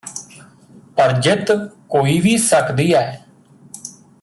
ਪਰ ਜਿੱਤ ਕੋਈ ਵੀ ਸਕਦੀ ਐ